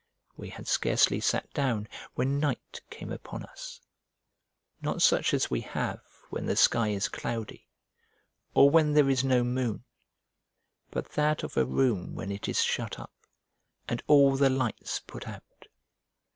We had scarcely sat down when night came upon us, not such as we have when the sky is cloudy, or when there is no moon, but that of a room when it is shut up, and all the lights put out.